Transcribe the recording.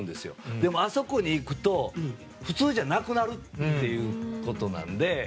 でも、あそこに行くと普通じゃなくなるっていうことなので。